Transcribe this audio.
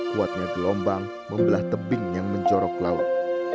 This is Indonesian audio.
kuatnya gelombang membelah tebing yang menjorok laut